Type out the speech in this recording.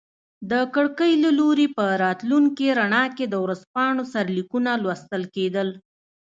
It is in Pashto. د کړکۍ له لوري په راتلونکي رڼا کې د ورځپاڼو سرلیکونه لوستل کیدل.